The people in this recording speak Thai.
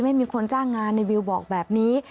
ไม่มีคนจ้างงานในวิวบอกแบบนี้